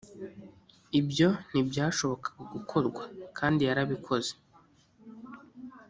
ibyo ntibyashobokaga gukorwa, kandi yarabikoze.